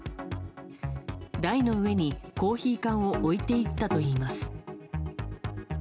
台の上にコーヒー缶を置いていったといいます。